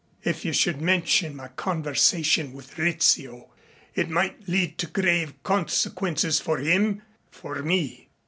If you should mention my conversation with Rizzio it might lead to grave consequences for him for me."